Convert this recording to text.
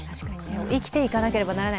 生きていかなければならない。